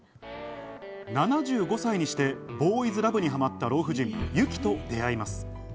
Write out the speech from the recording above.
７５歳にしてボーイズラブにハマった老婦人・雪と出会います。